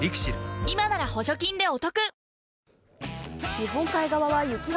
今なら補助金でお得